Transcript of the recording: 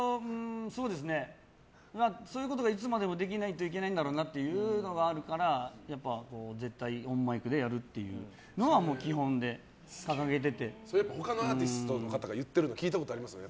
そういうことがいつまでもできないといけないんだろうなというのがあるからやっぱ絶対オンマイクでやるっていうのは基本で他のアーティストが言ってるの聞いたことありますよね。